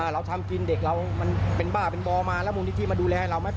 เราทำกินเด็กเรามันเป็นบ้าเป็นบอมาแล้วมูลนิธิมาดูแลเราไหม